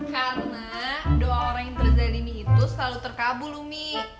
karena doa orang yang terzalimi itu selalu terkabul umi